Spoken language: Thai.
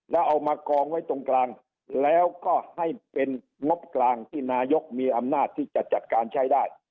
แล้วเอามากองไว้ตรงกลางแล้วก็ให้เป็นงบกลางที่นายกมีอำนาจที่จะจัดการใช้ได้